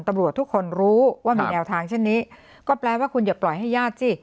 ตำรวจทุกคนรู้ว่ามีแนวทางเช่นนี้ก็แปลว่าคุณอย่าปล่อยให้ญาติสิ